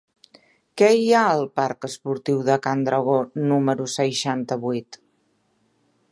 Què hi ha al parc Esportiu de Can Dragó número seixanta-vuit?